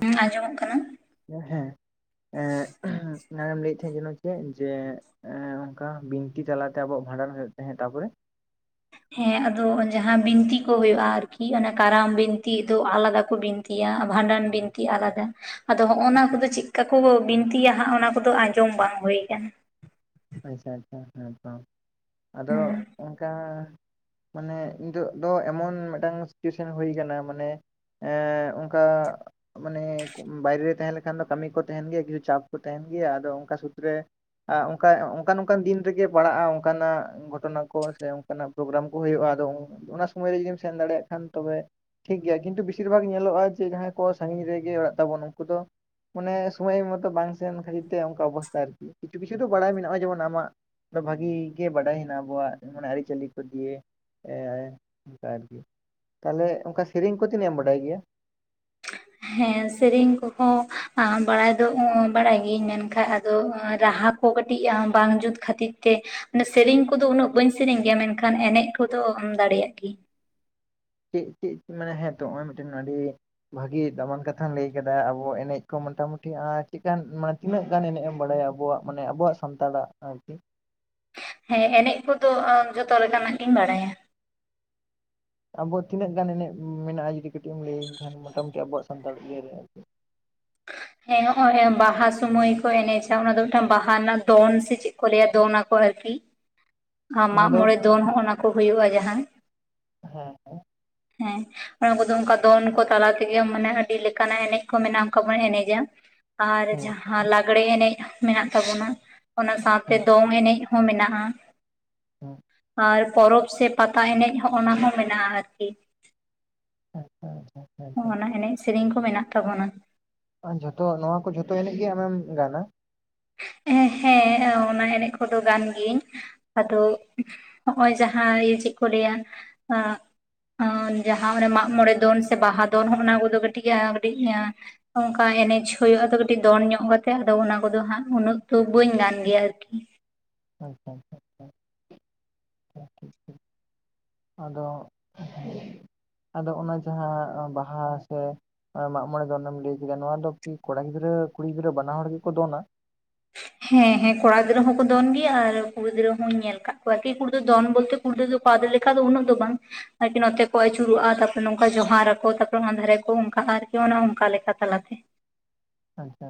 ᱦᱩᱸ ᱟᱸᱡᱚᱢᱚᱜ ᱠᱟᱱᱟ ᱾ ᱦᱮᱸ ᱚᱱᱟᱮᱢ ᱞᱟᱹᱭᱮᱫ ᱛᱟᱦᱮᱸᱱ ᱡᱮᱱᱚ ᱪᱮᱫ ᱡᱮᱼᱼ ᱚᱱᱠᱟ ᱵᱤᱱᱛᱤ ᱛᱟᱞᱟᱛᱮ ᱟᱵᱚᱣᱟᱜ ᱵᱷᱟᱸᱰᱟᱱ ᱦᱩᱭᱩᱜ ᱛᱟᱦᱮᱸᱫ ᱛᱟᱯᱚᱨᱮᱼᱼ ᱦᱮᱸ ᱟᱫᱚ ᱡᱟᱦᱟᱸ ᱵᱤᱱᱛᱤ ᱠᱚ ᱦᱩᱭᱩᱜᱼᱟ ᱟᱨᱠᱤ ᱠᱟᱨᱟᱢ ᱵᱤᱱᱛᱤ ᱫᱚ ᱟᱞᱟᱫᱟ ᱠᱚ ᱵᱤᱱᱛᱤᱼᱼ ᱭᱟ ᱵᱷᱟᱰᱟᱱ ᱵᱤᱱᱛᱤ ᱟᱞᱟᱫᱟ ᱾ ᱟᱫᱚ ᱦᱚᱜᱼᱱᱟ ᱠᱚᱫᱚ ᱪᱮᱫᱠᱟ ᱠᱚ ᱵᱤᱱᱛᱤᱭᱟ ᱦᱟᱸᱜ ᱚᱱᱟ ᱠᱚᱫᱚ ᱟᱸᱡᱚᱢ ᱵᱟᱝ ᱦᱩᱭ ᱠᱟᱱᱟ ᱾ ᱟᱪᱪᱷᱟ ᱟᱪᱪᱷᱟ ᱦᱮᱸᱛᱚ ᱟᱫᱚ ᱚᱱᱠᱟᱼᱼ ᱢᱟᱱᱮ ᱱᱤᱛᱚᱜ ᱫᱚ ᱮᱢᱚᱱ ᱢᱤᱫᱴᱟᱝ ᱥᱤᱪᱩᱭᱮᱥᱚᱱ ᱦᱩᱭ ᱠᱟᱱᱟ ᱢᱟᱱᱮᱼᱼ ᱮᱻ ᱚᱱᱠᱟᱼᱼ ᱢᱟᱱᱮ ᱵᱟᱭᱨᱮ ᱨᱮ ᱛᱟᱦᱮᱸ ᱞᱮᱠᱷᱟᱱ ᱫᱚ ᱠᱟᱹᱢᱤ ᱠᱚ ᱛᱟᱦᱮᱱ ᱜᱮᱭᱟ ᱠᱤᱪᱷᱩ ᱪᱟᱯ ᱠᱚ ᱛᱟᱦᱮᱱ ᱜᱮᱭᱟ ᱟᱫᱚ ᱚᱱᱠᱟ ᱥᱩᱛᱨᱮᱼᱼ ᱟ ᱩᱸ ᱚᱱᱠᱟ ᱚᱱᱠᱟᱱ ᱚᱱᱠᱟᱱ ᱫᱤᱱ ᱨᱮᱜᱮ ᱯᱟᱲᱟᱜᱼᱟ ᱚᱱᱠᱟᱱᱟᱜ ᱜᱷᱚᱴᱚᱱᱟ ᱠᱚ ᱥᱮ ᱚᱱᱠᱟᱱᱟᱜ ᱯᱨᱳᱜᱨᱟᱢ ᱠᱚ ᱦᱩᱭᱩᱜᱼᱟ ᱟᱫᱚᱼᱼ ᱚᱱᱟ ᱥᱩᱢᱚᱭ ᱨᱮ ᱡᱩᱫᱤᱢ ᱥᱮᱱ ᱫᱟᱲᱮᱭᱟᱜ ᱠᱷᱟᱱ ᱛᱚᱵᱮ ᱴᱷᱤᱠ ᱜᱤᱭᱟ ᱠᱤᱱᱛᱩ ᱵᱤᱥᱤᱨ ᱵᱷᱟᱜᱽ ᱧᱮᱞᱚᱜᱼᱟ ᱡᱮ ᱡᱟᱦᱟᱸᱭ ᱠᱚ ᱥᱟᱺᱜᱤᱧ ᱨᱮᱜᱮ ᱚᱲᱟᱜ ᱛᱟᱵᱚᱱ ᱩᱱᱠᱩ ᱫᱚ, ᱢᱚᱱᱮ ᱥᱳᱢᱚᱭ ᱢᱚᱛᱚ ᱵᱟᱝ ᱥᱮᱱ ᱠᱷᱟᱹᱛᱤᱨ ᱛᱮ ᱚᱱᱠᱟ ᱚᱵᱚᱥᱛᱟ ᱟᱨᱠᱤ ᱠᱤᱪᱷᱩ ᱠᱤᱪᱷᱩᱼᱼ ᱵᱟᱰᱟᱭ ᱢᱮ ᱱᱟᱜᱼᱚᱭ ᱡᱮᱢᱚᱱ ᱟᱢᱟᱜ, ᱵᱷᱟᱹᱜᱤ ᱜᱮ ᱵᱟᱰᱟᱭ ᱦᱮᱱᱟᱜᱼᱟ ᱟᱵᱚᱣᱟᱜ ᱢᱟᱱᱮ ᱟᱹᱨᱤᱪᱟᱹᱞᱤ ᱠᱷᱚᱡ ᱭᱮ ᱾ ᱮᱻ ᱚᱱᱠᱟ ᱟᱨᱠᱤ ᱛᱟᱦᱞᱮ ᱚᱱᱠᱟ ᱥᱮᱨᱮᱧ ᱠᱚ ᱛᱤᱱᱟᱹᱜ ᱮᱢ ᱵᱟᱰᱟᱭ ᱜᱮᱭᱟ ᱾ ᱦᱮᱸ ᱥᱮᱨᱮᱧ ᱠᱚᱦᱚᱸ ᱵᱟᱲᱟᱭ ᱫᱚ ᱵᱟᱲᱟᱭ ᱜᱤᱭᱟᱹᱧ ᱢᱮᱱᱠᱷᱟᱱ ᱟᱫᱚ ᱨᱟᱦᱟᱼᱼ ᱠᱚ ᱠᱟᱹᱴᱤᱡᱼᱟ ᱵᱟᱝ ᱡᱩᱛ ᱠᱷᱟᱹᱛᱤᱨ ᱛᱮ ᱥᱮᱨᱮᱧ ᱠᱚᱫᱚ ᱩᱱᱟᱹᱜ ᱵᱟᱹᱧ ᱥᱮᱨᱮᱧ ᱜᱮᱭᱟ ᱢᱮᱱᱠᱷᱟᱱ ᱮᱱᱮᱡᱼᱼ ᱠᱚᱫᱚ ᱢᱸ ᱫᱟᱲᱮᱭᱟᱜ ᱜᱤᱭᱟᱧ ᱾ ᱪᱮᱫ ᱪᱮᱫ ᱢᱟᱱᱮ ᱦᱮᱸ ᱛᱚ ᱱᱚᱜᱼᱚᱭ ᱢᱤᱫᱴᱮᱱ ᱟᱹᱰᱤ ᱵᱷᱟᱹᱜᱤ ᱫᱟᱢᱟᱱ ᱠᱟᱛᱷᱟᱢ ᱞᱟᱹᱭ ᱠᱟᱫᱟ ᱟᱵᱚ ᱮᱱᱮᱡ ᱠᱚ ᱢᱚᱴᱟᱢᱩᱴᱤ ᱟᱨ ᱪᱮᱫᱠᱟᱱ ᱢᱟᱱᱼᱼ ᱛᱤᱱᱟᱹᱜ ᱜᱟᱱ ᱮᱱᱮᱡ ᱮᱢ ᱵᱟᱲᱟᱭᱟ ᱟᱵᱚᱣᱟᱜ ᱢᱟᱱᱮ ᱟᱵᱚᱣᱟᱜ ᱥᱟᱱᱛᱟᱲᱟᱜ ᱟᱨᱠᱤᱼᱼ ᱦᱮᱸ ᱮᱱᱮᱡ ᱠᱚᱫᱚ ᱡᱚᱛᱚ ᱞᱮᱠᱟᱱᱟᱜ ᱜᱤᱧ ᱵᱟᱲᱟᱭᱟ ᱾ ᱟᱵᱚᱣᱟᱜ ᱛᱤᱱᱟᱹᱜ ᱜᱟᱱ ᱮᱱᱮᱡ ᱢᱮᱱᱟᱜᱼᱟ ᱡᱩᱫᱤ ᱠᱟᱹᱴᱤᱡ ᱮᱢ ᱞᱟᱹᱭᱟᱹᱧ ᱠᱷᱟᱱ ᱢᱚᱴᱟᱢᱩᱴᱤ ᱟᱵᱚᱣᱟᱜ ᱥᱟᱱᱛᱟᱲ ᱤᱭᱟᱹ ᱨᱮ ᱟᱨᱠᱤᱼᱼ ᱦᱮᱸ ᱱᱚᱜᱼᱚᱭ ᱵᱟᱦᱟ ᱥᱚᱢᱚᱭ ᱠᱚ ᱮᱱᱮᱡᱟ ᱚᱱᱟ ᱫᱚ ᱢᱤᱫᱴᱟᱝ ᱵᱟᱦᱟ ᱨᱮᱱᱟᱜ ᱫᱚᱱ ᱥᱮ ᱪᱮᱫ? ᱠᱚ ᱞᱟᱹᱭᱟ ᱫᱚᱱ ᱟᱠᱚ ᱟᱹᱨᱠᱤᱼᱼ ᱚᱱᱟ ᱢᱟᱜ ᱫᱚ ᱢᱚᱬᱮ ᱫᱚᱱ ᱱᱚᱜᱼᱱᱟ ᱠᱚ ᱦᱩᱭᱩᱭᱜᱼᱟ ᱡᱟᱦᱟᱸ ᱦᱮᱸ ᱦᱮᱸ ᱦᱮᱸ ᱚᱱᱟ ᱠᱚᱫᱚ ᱚᱱᱠᱟ ᱫᱚᱱ ᱠᱚ ᱛᱟᱞᱟ ᱛᱮᱜᱮ ᱢᱟᱱᱮ ᱟᱹᱰᱤ ᱞᱮᱠᱟᱱᱟᱜ ᱮᱱᱮᱡ ᱠᱚ ᱢᱮᱱᱟᱜᱼᱟ ᱚᱱᱠᱟ ᱵᱚᱱ ᱮᱱᱮᱡᱟ ᱾ ᱟᱨ ᱦᱮᱸ ᱡᱟᱦᱟᱸ ᱞᱟᱜᱽᱲᱮ ᱮᱱᱮᱡ ᱢᱮᱱᱟᱜ ᱛᱟᱵᱚᱱᱟ, ᱚᱱᱟ ᱥᱟᱶᱛᱮ ᱦᱮᱸ ᱫᱚᱝ ᱮᱱᱮᱡᱼᱼ ᱦᱚᱸ ᱢᱮᱱᱟᱜᱼᱟ ᱾ ᱦᱸ [unintelligible] ᱟᱨ ᱯᱚᱨᱚᱵᱽ ᱥᱮ ᱯᱟᱛᱟ ᱮᱱᱮᱡ ᱦᱚᱸ ᱚᱱᱟ ᱦᱚᱸ ᱢᱮᱱᱟᱜᱼᱟ ᱟᱨᱠᱤᱼᱼ ᱦᱮᱸ ᱟᱪᱪᱷᱟ ᱟᱪᱪᱷᱟ ᱱᱚᱜᱼᱱᱟ ᱮᱱᱮᱡ ᱥᱮᱨᱮᱧ ᱠᱚ ᱢᱮᱱᱟᱜ ᱛᱟᱵᱚᱱᱟ ᱾ ᱟᱨ ᱡᱷᱚᱛᱚ ᱱᱚᱣᱟ ᱠᱚ ᱡᱷᱚᱛᱚ ᱮᱱᱮᱡ ᱜᱮ ᱟᱢᱮᱢ ᱜᱟᱱᱟᱢ? ᱦᱮᱸ ᱚᱱᱟ ᱮᱱᱮᱡ ᱠᱚᱫᱚ ᱜᱟᱱ ᱜᱤᱭᱟᱹᱧ ᱾ ᱟᱫᱚ ᱦᱚᱜᱼᱚᱭ ᱡᱟᱦᱟᱸ ᱤᱭᱟᱹ ᱪᱮᱫ ᱠᱚ ᱞᱟᱹᱭᱟᱼᱼ ᱡᱟᱦᱟᱸ ᱚᱱᱮ ᱢᱟᱜ ᱢᱚᱬᱮ ᱫᱚᱱ ᱥᱮ ᱵᱟᱦᱟ ᱫᱚᱱ ᱦᱚᱸ ᱚᱱᱟ ᱠᱚᱫᱚ ᱠᱟᱹᱴᱤᱡᱟ ᱠᱟᱹᱴᱤᱡᱼᱼ ᱚᱱᱠᱟ ᱮᱱᱮᱡ ᱦᱩᱭᱩᱜᱼᱟ ᱛᱚ ᱠᱟᱹᱴᱤᱡ ᱫᱚᱱ ᱧᱚᱜ ᱠᱟᱛᱮᱜ ᱟᱫᱚ ᱚᱱᱟ ᱠᱚᱫᱚ ᱦᱟᱸᱜ, ᱩᱱᱟᱹᱜ ᱛᱚ ᱵᱟᱹᱧ ᱜᱟᱱ ᱜᱮᱭᱟ ᱟᱨᱠᱤ ᱾ ᱟᱪᱪᱷᱟ ᱟᱪᱪᱷᱟ ᱟᱪᱪᱷᱟ [unintelligible] ᱴᱷᱤᱠ-ᱴᱷᱤᱠ ᱟᱫᱚ [unintelligible] ᱟᱫᱚ ᱚᱱᱟ ᱡᱟᱦᱟᱸ ᱵᱟᱦᱟ ᱥᱮᱼᱼ ᱢᱟᱜ ᱢᱚᱬᱮ ᱫᱚᱱᱮᱢ ᱞᱟᱹᱭ ᱠᱮᱫᱟ ᱱᱚᱣᱟ ᱫᱚ ᱠᱤ ᱠᱚᱲᱟ ᱜᱤᱫᱽᱨᱟᱹ ᱠᱩᱲᱤ ᱜᱤᱫᱽᱨᱟᱹ ᱵᱟᱱᱟ ᱦᱚᱲ ᱜᱮᱠᱚ ᱫᱚᱱᱟ? ᱦᱮᱸ ᱦᱮᱸ ᱠᱚᱲᱟ ᱜᱤᱫᱽᱨᱟᱹ ᱦᱚᱸᱠᱚ ᱫᱚᱱ ᱜᱮᱭᱟ ᱟᱨ ᱠᱩᱲᱤ ᱜᱤᱫᱽᱨᱟᱹ ᱦᱚᱧ ᱧᱮᱞ ᱠᱟᱜ ᱠᱚᱣᱟ ᱠᱤ ᱠᱩᱲᱤ ᱫᱚᱱ ᱵᱚᱞᱛᱮᱼᱼ ᱠᱩᱲᱤ ᱜᱤᱫᱽᱨᱟᱹ ᱫᱚ ᱠᱚᱲᱟ ᱜᱤᱫᱽᱨᱟᱹ ᱞᱮᱠᱟ ᱫᱚ ᱩᱱᱟᱹᱜ ᱫᱚ ᱵᱟᱝ, ᱟᱨᱠᱤ ᱱᱚᱛᱮ ᱠᱚ ᱟᱹᱪᱩᱨᱚᱜ-ᱟ, ᱛᱟᱯᱚᱨᱮ ᱱᱚᱝᱠᱟ ᱡᱚᱦᱟᱨ ᱟᱠᱚ ᱛᱟᱨ ᱯᱚᱨᱮ ᱚᱱᱟᱫᱷᱟᱨᱮ ᱠᱚ ᱚᱱᱠᱟᱜ-ᱟ ᱟᱨᱠᱤ ᱚᱱᱮ ᱚᱱᱠᱟ ᱞᱮᱠᱟ ᱛᱟᱞᱟᱛᱮᱼᱼ ᱟᱪᱪᱷᱟᱼᱼ